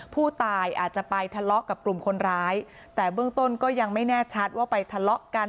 ผู้ตายอาจจะไปทะเลาะกับกลุ่มคนร้ายแต่เบื้องต้นก็ยังไม่แน่ชัดว่าไปทะเลาะกัน